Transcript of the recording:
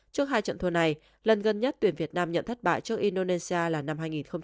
trước hai trận thua này lần gần nhất tuyển việt nam nhận thất bại trước indonesia là năm hai nghìn một mươi tám